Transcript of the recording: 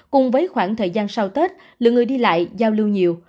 cùng với khoảng thời gian sau tết lượng người đi lại giao lưu nhiều